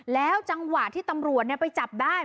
แล้วจังหวะที่ตำรวจไปจับได้